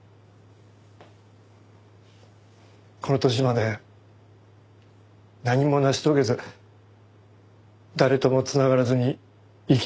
この年まで何も成し遂げず誰とも繋がらずに生きてきた。